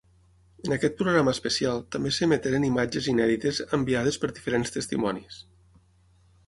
En aquest programa especial també s'emeteren imatges inèdites enviades per diferents testimonis.